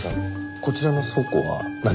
こちらの倉庫は何に？